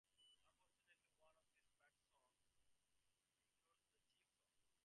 Unfortunately, one of these patrons includes the chief's son.